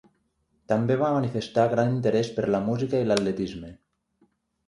També va manifestar gran interès per la música i l'atletisme.